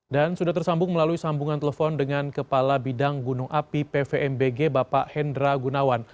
dan sudah tersambung melalui sambungan telepon dengan kepala bidang gunung api pvmbg bapak hendra gunawan